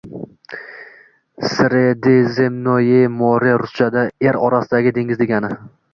Sredizemnoye more ruschada er orasidagi dengiz deganidir